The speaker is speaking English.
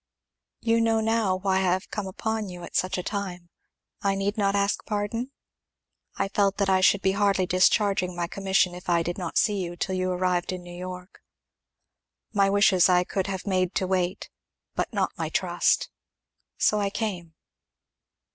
"You know now why I have come upon you at such a time. I need not ask pardon? I felt that I should be hardly discharging my commission if I did not see you till you arrived in New York. My wishes I could have made to wait, but not my trust. So I came."